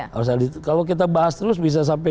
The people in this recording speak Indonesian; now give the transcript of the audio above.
kalau kita bahas terus bisa sampai